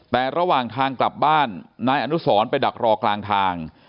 แต่ระหว่างทางกลับบ้านนายอนุสรไปดักรอกลางทาง